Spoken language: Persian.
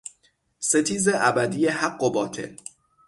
ستیز ابدی حق و باطل